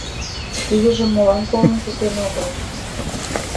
Тидыжым молан колын шуктен огыл?